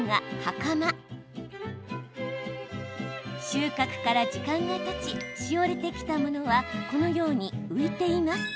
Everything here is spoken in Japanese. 収穫から時間がたちしおれてきたものはこのように浮いています。